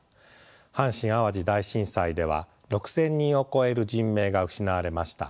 阪神・淡路大震災では６，０００人を超える人命が失われました。